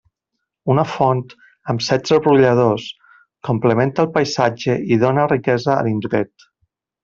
Una font, amb setze brolladors, complementa el paisatge i dóna riquesa a l'indret.